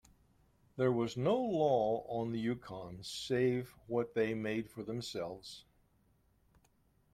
There was no law on the Yukon save what they made for themselves.